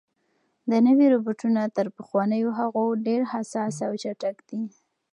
دا نوي روبوټونه تر پخوانیو هغو ډېر حساس او چټک دي.